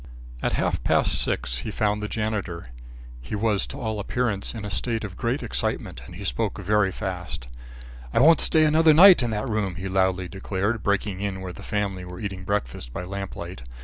At half past six he found the janitor. He was, to all appearance, in a state of great excitement and he spoke very fast. "I won't stay another night in that room," he loudly declared, breaking in where the family were eating breakfast by lamplight.